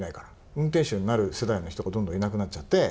運転手になる世代の人がどんどんいなくなっちゃって。